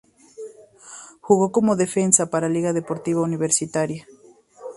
Jugó como defensa para Liga Deportiva Universitaria.